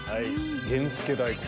源助大根。